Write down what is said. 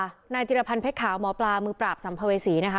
เคสนี้ค่ะหมอปลานายจินภัณฑ์เพชรขาวหมอปลามือปราบสัมภเวษีนะคะ